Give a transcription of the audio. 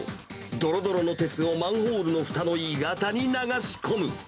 どろどろの鉄をマンホールのふたの鋳型に流し込む。